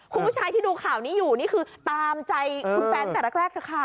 คุณผู้ชายที่ดูข่าวนี้อยู่นี่คือตามใจคุณแฟนตั้งแต่แรกเถอะค่ะ